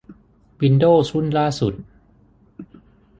วินโดวส์รุ่นล่าสุด